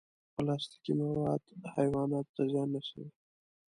پلاستيکي مواد حیواناتو ته زیان رسوي.